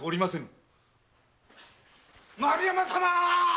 丸山様。